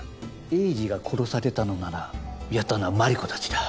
栄治が殺されたのならやったのは真梨子たちだ。